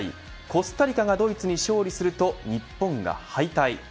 コスタリカがドイツに勝利すると日本が敗退。